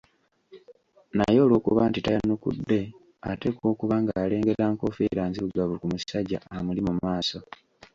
Naye olw’okuba nti tayanukudde, ateekwa okuba ng’alengera nkofiira nzirugavu ku musajja amuli mu maaso.